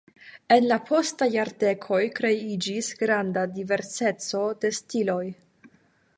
En la postaj jardekoj kreiĝis granda diverseco de stiloj.